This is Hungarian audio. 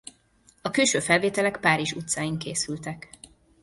A külső felvételek Párizs utcáin készültek.